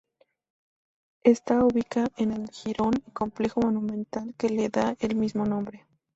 Esta ubica en el jirón y complejo monumental que le da el mismo nombre.